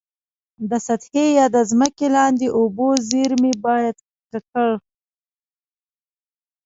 د سطحي یا د ځمکي لاندي اوبو زیرمي باید ککړ.